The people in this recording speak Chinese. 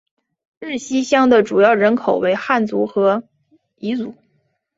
日溪乡的主要人口为汉族和畲族。